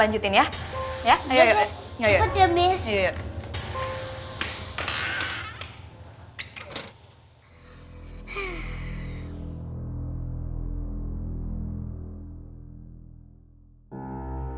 kau yang di luar